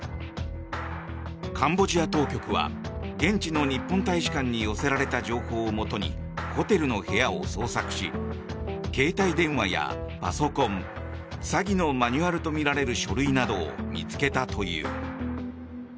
カンボジア当局は現地の日本大使館に寄せられた情報をもとにホテルの部屋を捜索し携帯電話やパソコン詐欺のマニュアルとみられる書類などを見つけたという。